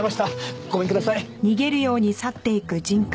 ごめんください。